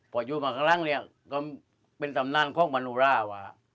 พออยู่มาข้างล่างเนี่ยก็เป็นตำนานของมนุราค์ว่ะ